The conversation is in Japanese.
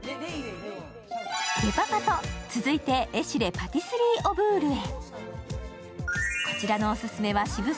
デパパト、続いてエシレ・パティスリーオブールへ。